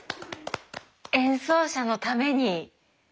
演奏者のためにという